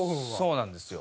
そうなんですよ。